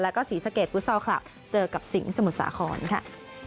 แล้วก็ศรีสะเกดฟุตซอลคลับเจอกับสิงห์สมุทรสาครค่ะ